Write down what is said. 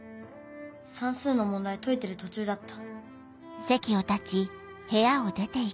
算数の問題解いてる途中だった。